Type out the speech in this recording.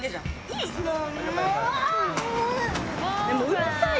うるさい！